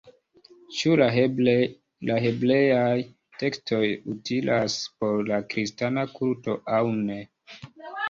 Ĉu la hebreaj tekstoj utilas por la kristana kulto aŭ ne?